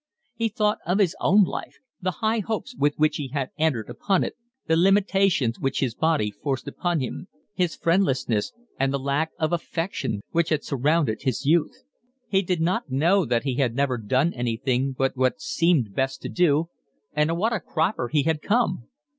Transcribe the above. He thought of his own life, the high hopes with which he had entered upon it, the limitations which his body forced upon him, his friendlessness, and the lack of affection which had surrounded his youth. He did not know that he had ever done anything but what seemed best to do, and what a cropper he had come!